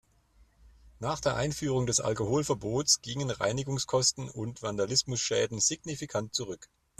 Nach der Einführung des Alkoholverbots gingen Reinigungskosten und Vandalismusschäden signifikant zurück.